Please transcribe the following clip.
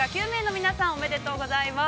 ご当選おめでとうございます！